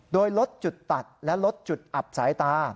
โดยลดจุดตัดและลดจุดอับสายตา